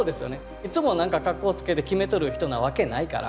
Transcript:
いつもなんか格好をつけてきめとる人なわけないから。